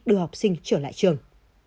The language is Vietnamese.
đưa học sinh trở lại trường